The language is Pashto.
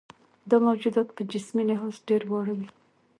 دا موجودات په جسمي لحاظ ډېر واړه وي.